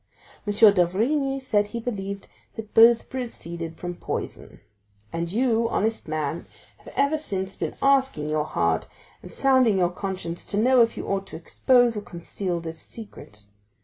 M. d'Avrigny said he believed they both proceeded from poison; and you, honest man, have ever since been asking your heart and sounding your conscience to know if you ought to expose or conceal this secret.